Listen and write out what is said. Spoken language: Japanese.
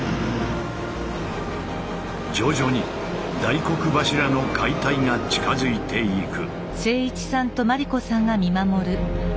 徐々に大黒柱の解体が近づいていく。